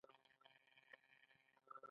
چارلیس ډیکنز په پیل کې یو ډېر عادي سړی و